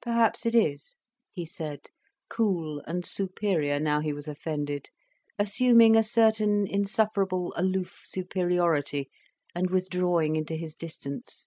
"Perhaps it is," he said, cool and superior now he was offended, assuming a certain insufferable aloof superiority, and withdrawing into his distance.